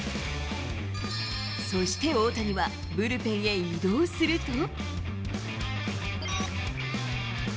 そして大谷は、ブルペンへ移動すると。